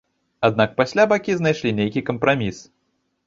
Аднак пасля бакі найшлі нейкі кампраміс.